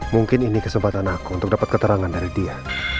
mungkin ini kesempatan aku untuk dapat keterangan dari dia